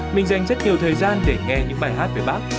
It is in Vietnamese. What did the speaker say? mình dành rất nhiều thời gian để nghe những bài hát về bác